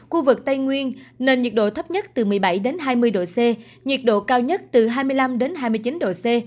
khu vực tây nguyên nền nhiệt độ thấp nhất từ một mươi bảy đến hai mươi độ c nhiệt độ cao nhất từ hai mươi năm đến hai mươi chín độ c